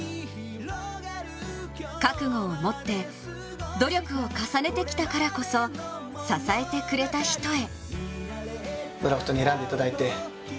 覚悟を持って、努力を重ねてきたからこそ支えてくれた人へ。